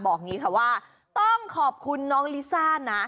อย่างนี้ค่ะว่าต้องขอบคุณน้องลิซ่านะ